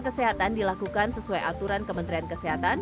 kesehatan dilakukan sesuai aturan kementerian kesehatan